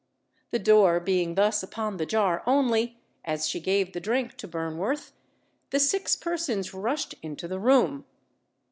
The door being thus upon the jar only, as she gave the drink to Burnworth, the six persons rushed into the room.